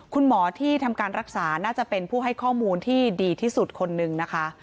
คุณหมอที่ทำการรักษาน่าจะเป็นผู้ให้ข้อมูลที่ดีที่สุดคนนึงนะคะ